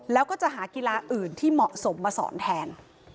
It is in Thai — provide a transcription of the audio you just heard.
แล้วก็จะหากีฬาอื่นที่เหมาะสมมาสอนแทน